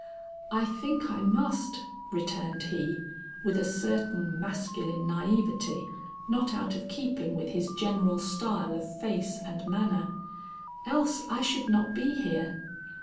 "I think I must," returned he with a certain masculine naïveté not out of keeping with his general style of face and manner, "else I should not be here.